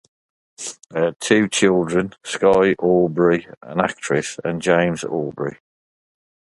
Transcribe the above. They had two children: Skye Aubrey, an actress; and James Aubrey.